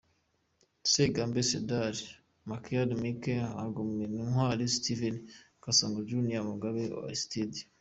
Sagambe Cedar -Makiadi Mike - Hagumintwari Steven -Kasongo Junior - Mugabe Aristide.